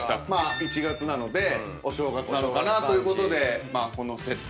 １月なのでお正月なのかなということでこのセット。